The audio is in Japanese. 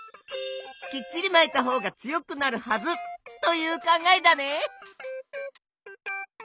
きっちりまいたほうが強くなるはずという考えだね。